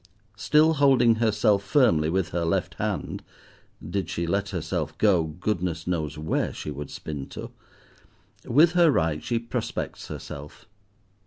Still holding herself firmly with her left hand—did she let herself go, goodness knows where she would spin to;—with her right she prospects herself.